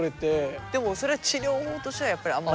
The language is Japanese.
でもそれは治療としてはやっぱりあんまり。